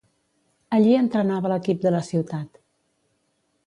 Allí entrenava l'equip de la ciutat.